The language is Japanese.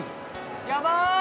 やばーい！